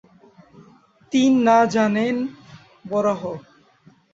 তিন না জানেন বরাহ।